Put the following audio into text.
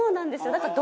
だから。